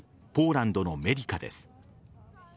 ポーランドのメディカです。